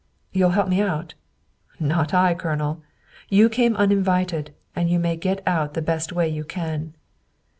"You'll help me out?" " Not I, Colonel. You came uninvited, and you may get out the best way you can.